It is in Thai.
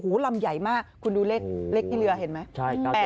ลำใหญ่มากคุณดูเลขที่เรือเห็นไหม